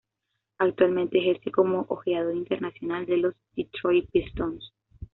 Actualmente ejerce como ojeador internacional de los Detroit Pistons.